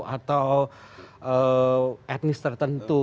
atau etnis tertentu